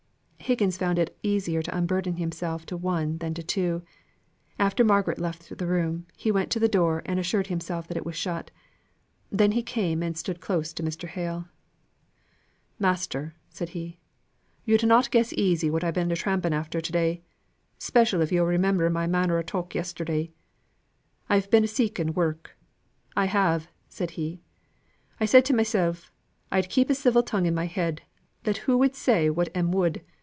Higgins found it easier to unburden himself to one than to two. After Margaret left the room, he went to the door and assured himself that it was shut. Then he came and stood close to Mr. Hale. "Master," said he, "yo'd not guess easy what I've been tramping after to day. Special if yo'd remember my manner o' talk yesterday. I've been a seeking work. I have," said he. "I said to mysel', I'd keep a civil tongue in my head, let who would say what 'em would.